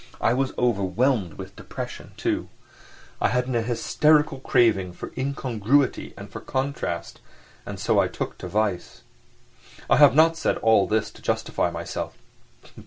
I was overwhelmed with depression, too; I had an hysterical craving for incongruity and for contrast, and so I took to vice. I have not said all this to justify myself....